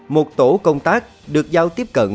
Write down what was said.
một tổ công tác được giao tiếp cận